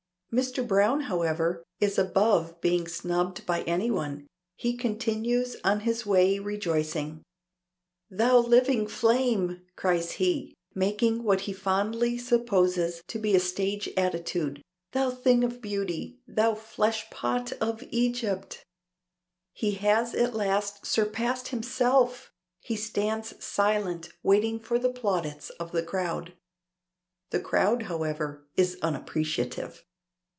Mr. Browne, however, is above being snubbed by anyone. He continues on his way rejoicing. "Thou living flame!" cries he, making what he fondly supposes to be a stage attitude. "Thou thing of beauty. Though fleshpot of Egypt!" He has at last surpassed himself! He stands silent waiting for the plaudits of the crowd. The crowd, however, is unappreciative.